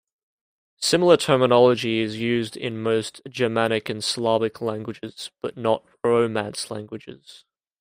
Similar terminology is used in most Germanic and Slavic languages, but not Romance languages.